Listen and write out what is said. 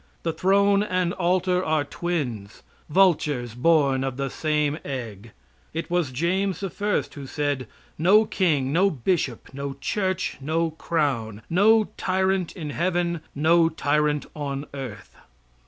The throne and altar are twins vultures born of the same egg. It was James I. who said: "No king, no bishop; no church, no crown; no tyrant in heaven, no tyrant on earth."